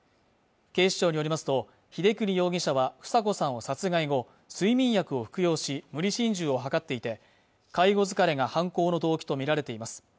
警視庁によりますと英邦容疑者は房子さんを殺害後睡眠薬を服用し無理心中を図っていて介護疲れが犯行の動機と見られています